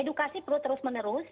edukasi perlu terus menerus